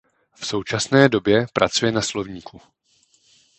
V současné době pracuje na slovníku.